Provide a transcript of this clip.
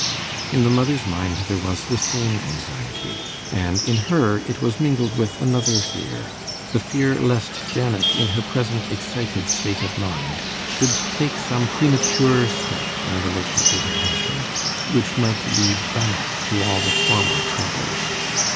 In the mother's mind there was the same anxiety, and in her it was mingled with another fear the fear lest Janet, in her present excited state of mind, should take some premature step in relation to her husband, which might lead back to all the former troubles.